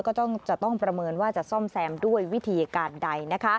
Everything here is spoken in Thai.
ก็จะต้องประเมินว่าจะซ่อมแซมด้วยวิธีการใด